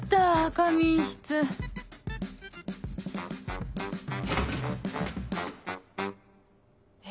仮眠室え？